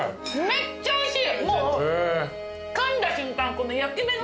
めっちゃおいしい！